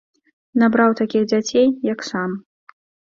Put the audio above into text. Набраў такіх дзяцей, як сам.